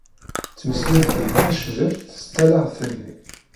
Tmeslemt-d tacbirt s talaɣt-nni.